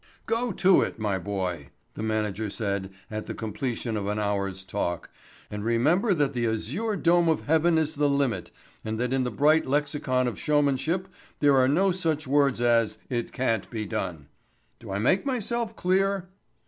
"Go to it, my boy," the manager said at the completion of an hour's talk, "and remember that the azure dome of heaven is the limit and that in the bright lexicon of showmanship there are no such words as 'it can't be done.' Do I make myself clear?"